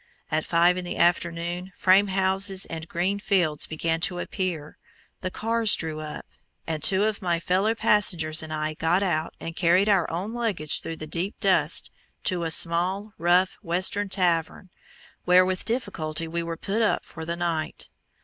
At five in the afternoon frame houses and green fields began to appear, the cars drew up, and two of my fellow passengers and I got out and carried our own luggage through the deep dust to a small, rough, Western tavern, where with difficulty we were put up for the night.